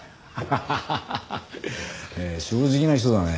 ハハハハ正直な人だね。